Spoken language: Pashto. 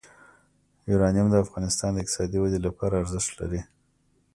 یورانیم د افغانستان د اقتصادي ودې لپاره ارزښت لري.